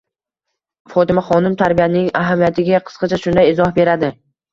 Fotimaxonim tarbiyaning ahamiyatiga qisqacha shunday izoh beradi.